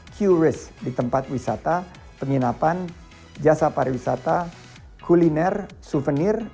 qris di tempat wisata penginapan jasa pariwisata kuliner souvenir